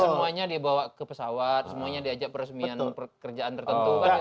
semuanya dibawa ke pesawat semuanya diajak peresmian pekerjaan tertentu